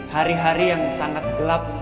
hari hari yang sangat gelap